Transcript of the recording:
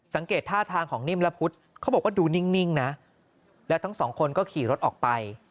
สังเกตท่าทางของนิ่มและพุทธเขาบอกว่าดูนิ่งนะแล้วทั้งสองคนก็ขี่รถออกไป